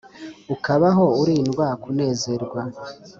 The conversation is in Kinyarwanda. Ukabaho urindwa kunezerwa